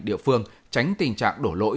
địa phương tránh tình trạng đổ lỗi